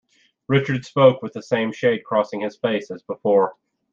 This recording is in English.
Richard spoke with the same shade crossing his face as before.